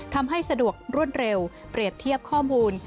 สะดวกรวดเร็วเปรียบเทียบข้อมูล